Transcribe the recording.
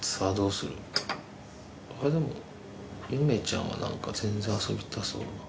でもゆめちゃんは何か全然遊びたそうだな。